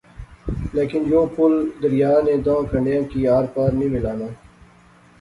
لیکن یو پل دریا نے داں کنڈیاں کی آر پار نی ملانا